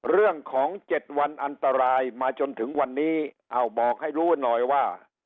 เรื่องของ๗วันอันตรายมาจนถึงวันนี้อ้าวบอกให้รู้หน่อยว่า